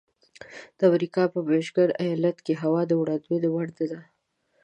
د امریکې په میشیګن ایالت کې هوا د وړاندوینې وړ نه ده.